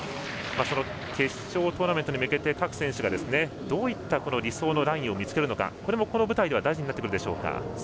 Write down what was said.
決勝トーナメントに向けて各選手がどういった理想のラインを見つけるのかも、この舞台では大事になってくるでしょうか。